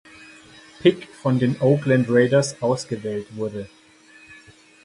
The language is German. Pick von den Oakland Raiders ausgewählt wurde.